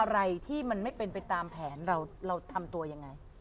อะไรที่มันไม่เป็นไปตามแผนเราทำตัวยังไง